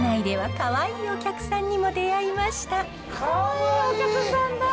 かわいいお客さんだ。